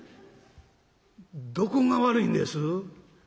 「どこが悪いんです？」。